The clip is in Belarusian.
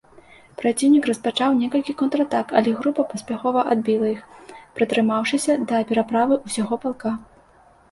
Праціўнік распачаў некалькі контратак, але група паспяхова адбіла іх, пратрымаўшыся да пераправы ўсяго палка.